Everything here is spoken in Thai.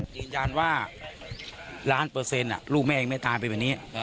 ยืนยันว่าล้านเปอร์เซ็นต์ลูกแม่เองไม่ตายไปแบบนี้